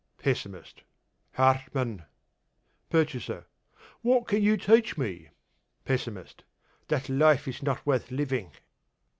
PESSIMIST: Hartmann. PURCHASER: What can you teach me? PESSIMIST: That Life is not worth Living.